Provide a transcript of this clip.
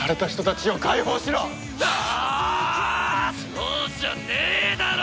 そうじゃねえだろ！